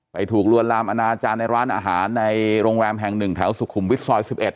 ถูกลวนลามอนาจารย์ในร้านอาหารในโรงแรมแห่ง๑แถวสุขุมวิทย์ซอย๑๑